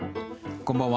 こんばんは。